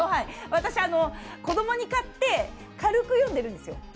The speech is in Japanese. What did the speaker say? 私、子どもに買って、軽く読んでるんですよ。